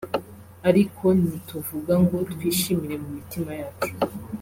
Ariko ni tuvuga ngo twishimire mu mitima yacu